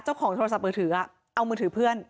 เจ้าของโทรศัพท์มือถืออ่ะเอามือถือเพื่อน